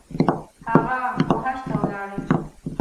هغه ، وحج ته ولاړی